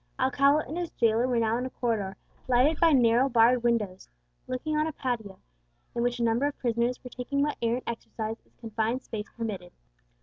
Alcala and his jailer were now in a corridor, lighted by narrow barred windows, looking on a patio, in which a number of prisoners were taking what air and exercise its confined space permitted.